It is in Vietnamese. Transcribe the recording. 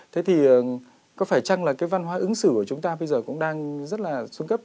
thế thì có phải chăng là cái văn hóa ứng xử của chúng ta bây giờ cũng đang rất là xuống cấp